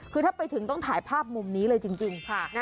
คือถ้าไปถึงต้องถ่ายภาพมุมนี้เลยจริง